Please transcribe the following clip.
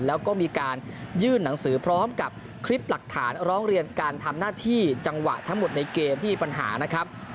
แล้วก็มีการยื่นหนังสือพร้อมกับคลิปหลักฐานร้องเรียนการทำหน้าที่จังหวะทั้งหมดในเกมที่มีปัญหานะครับ